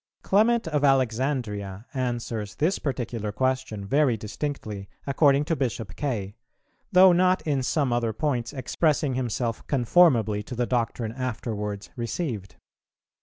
_ Clement of Alexandria answers this particular question very distinctly, according to Bishop Kaye, though not in some other points expressing himself conformably to the doctrine afterwards received.